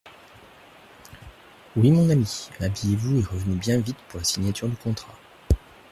Oui, mon ami… habillez-vous et revenez bien vite pour la signature du contrat…